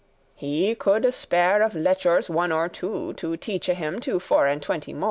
He coulde spare of lechours one or two, To teache him to four and twenty mo'.